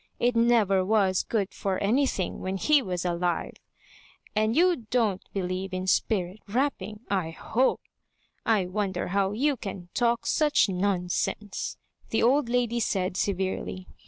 It never was good for anything when he was alive. And you don't believe in spirit rapping, I hope, I wonder how you can talk such nonsense," the old lady said severely.